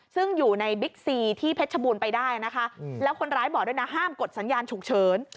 ซึ่งอยู่ในบิ๊กซีที่เพชรชบูรณ์ไปได้นะคะแล้วคนร้ายบอกด้วยนะห้ามกดสัญญาณฉุกเฉิน